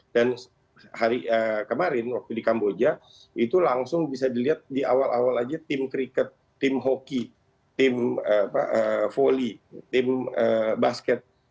dan kemarin waktu di kamboja itu langsung bisa dilihat di awal awal aja tim kriket tim hoki tim foli tim basket